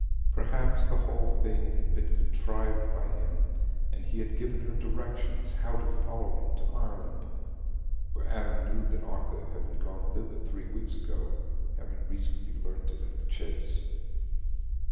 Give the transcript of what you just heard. Perhaps the whole thing had been contrived by him, and he had given her directions how to follow him to Ireland—for Adam knew that Arthur had been gone thither three weeks ago, having recently learnt it at the Chase.